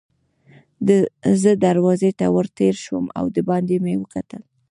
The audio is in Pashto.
زه دروازې ته ور تېر شوم او دباندې مې وکتل.